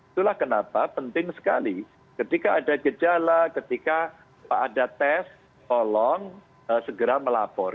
itulah kenapa penting sekali ketika ada gejala ketika ada tes tolong segera melapor